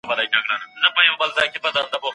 زه بايد ډوډۍ پخه کړم.